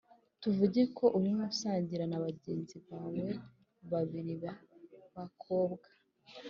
Tuvuge ko urimo usangira na bagenzi bawe babiri b abakobwa